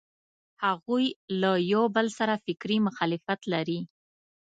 هغوی له یوبل سره فکري مخالفت لري.